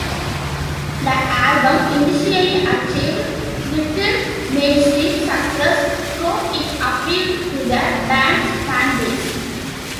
The album initially achieved little mainstream success, though it appealed to the band's fanbase.